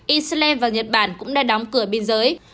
iceland và nhật bản cũng đã đóng cửa biên giới